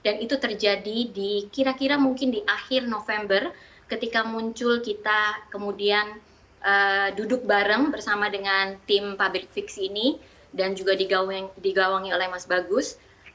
dan itu terjadi di kira kira mungkin di akhir november ketika muncul kita kemudian duduk bareng bersama dengan tim pabrik fiksi ini dan juga digawangi oleh mas bagus